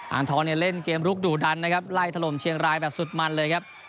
อ่างทองเนี่ยเล่นเกมลุกดุดันนะครับไล่ถล่มเชียงรายแบบสุดมันเลยครับ